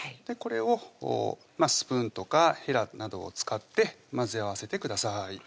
これをスプーンとかへらなどを使って混ぜ合わせてください